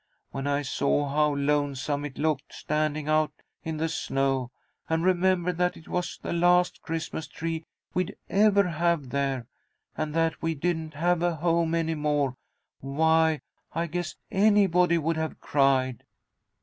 When I saw how lonesome it looked, standing out in the snow, and remembered that it was the last Christmas tree we'd ever have there, and that we didn't have a home any more, why I guess anybody would have cried."